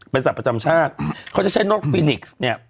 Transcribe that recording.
เป็นสัตว์ประจำชาติเขาจะใช้นกฟินิกซ์เนี่ย